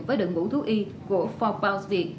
với đường ngũ thu y của bốn por viện